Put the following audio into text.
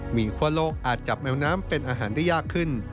มีคั่วโลกอาจจับแมวน้ำเป็นอาหารได้ยากขึ้น